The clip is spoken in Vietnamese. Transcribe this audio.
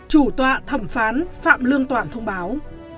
chủ tọa thẩm phán phạm lương toản thông báo